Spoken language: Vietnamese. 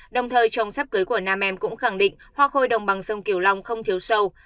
đồng thời trồng sắp cưới của nam em cũng khẳng định hoa khôi đồng bằng sông kiều long không thiếu sâu